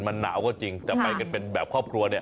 มันหนาวก็จริงจะไปกันเป็นแบบครอบครัวเนี่ย